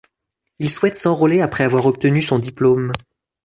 Il souhaite s'enrôler après avoir obtenu son diplôme.